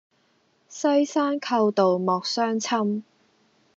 西山寇盜莫相侵。